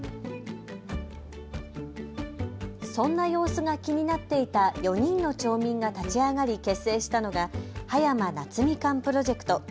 そんな様子が気になっていた４人の町民が立ち上がり結成したのが葉山夏みかんプロジェクト。